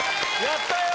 やったよ！